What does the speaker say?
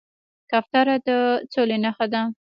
کوتره د سولې نښه ده